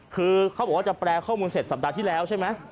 คือเขาบอกว่าจะแปลข้อมูลเสร็จสัปดาห์ที่แล้วใช่ไหม